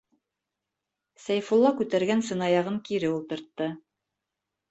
- Сәйфулла күтәргән сынаяғын кире ултыртты.